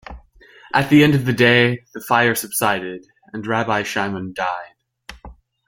At the end of the day, the fire subsided and Rabbi Shimon died.